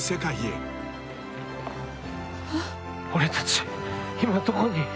俺たち今どこに？